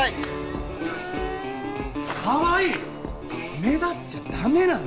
目立っちゃダメなの！